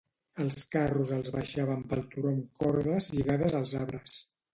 Els carros els baixaven pel turó amb cordes lligades als arbres.